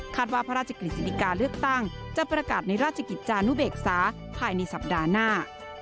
ว่าพระราชกฤษฎิกาเลือกตั้งจะประกาศในราชกิจจานุเบกษาภายในสัปดาห์หน้า